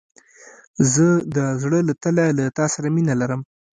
زه د زړه له تله له تا سره مينه لرم.